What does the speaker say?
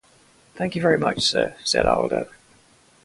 "Thank you very much, sir," said Aldo.